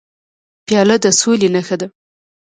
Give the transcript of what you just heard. پیاله د سولې نښه ده.